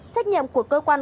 trách nhiệm của cơ quan